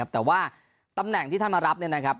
แต่ว่าตำแหน่งที่ท่านมารับเนี่ยนะครับ